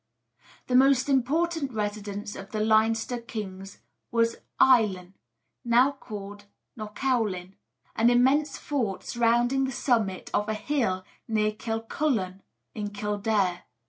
The most important residence of the Leinster kings was Aillenn, now called Knockaulin, an immense fort surrounding the summit of a hill near Kilcullen in Kildare.